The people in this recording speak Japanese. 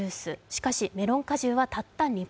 しかしメロン果汁はたった２％。